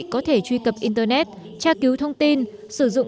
có thể truy cập internet tra cứu thông tin sử dụng